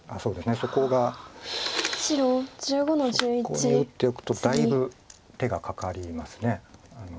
そこに打っておくとだいぶ手がかかります。